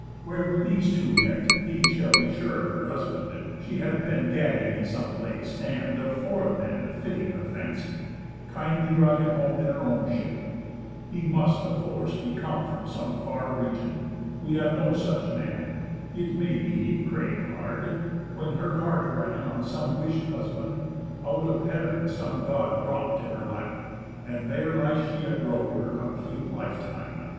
Where were these two met? He shall be sure her husband. She hath been Gadding in some place, and, of foreign men Fitting her fancy, kindly brought him home In her own ship. He must, of force, be come From some far region; we have no such man. It may be, praying hard, when her heart ran On some wish'd husband, out of heav'n some God Dropp'd in her lap; and there lies she at road Her cómplete life time.